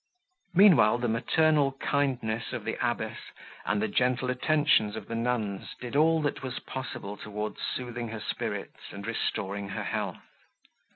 Meanwhile, the maternal kindness of the abbess, and the gentle attentions of the nuns did all, that was possible, towards soothing her spirits and restoring her health.